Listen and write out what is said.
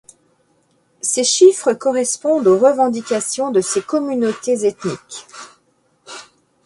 Ces chiffres correspondent aux revendications de ces communautés ethniques.